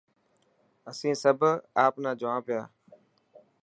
اسين سڀ آپ نا جوا پيا.